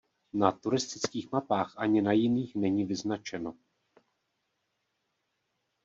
Na turistických mapách ani na jiných není vyznačeno.